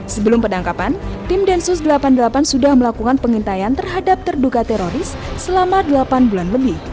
sebelum penangkapan tim densus delapan puluh delapan sudah melakukan pengintaian terhadap terduga teroris selama delapan bulan lebih